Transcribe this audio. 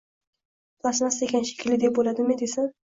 Plastmassa ekan shekilli, eb bo`ladimi desam